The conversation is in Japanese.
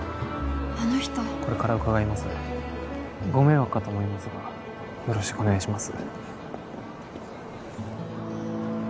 あの人これから伺いますご迷惑かと思いますがよろしくお願いします